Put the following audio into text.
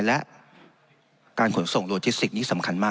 และการขนส่งโลจิสติกนี้สำคัญมาก